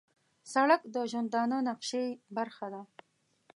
سړک د ژوندانه نقشې برخه ده.